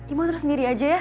ibu mau terus sendiri aja ya